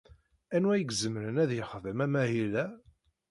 Anwa i izemren ad yexdem amahil-a?